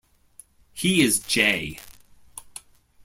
He is J.